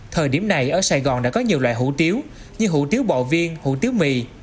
thời điểm này ở sài gòn đã có nhiều loại hủ tiếu như hủ tiếu bò viên hủ tiếu mì